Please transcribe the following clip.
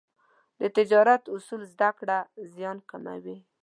د تجارت اصول زده کړه، زیان کموي.